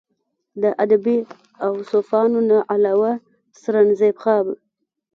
د ادبي اوصافو نه علاوه سرنزېب خان